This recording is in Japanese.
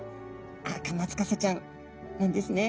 アカマツカサちゃんなんですね。